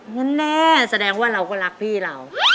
อย่างนั้นแน่แสดงว่าเราก็รักพี่เรา